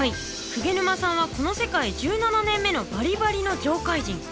久下沼さんはこの世界１７年目のバリバリの業界人。